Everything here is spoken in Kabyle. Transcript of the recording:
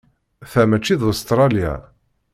Ta maci d Ustṛalya.